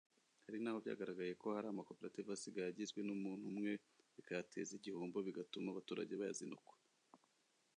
Hari n’aho byagaragaye ko hari amakoperative asigaye agizwe n’umuntu umwe bikayateza igihombo bigatuma abaturage bayazinukwa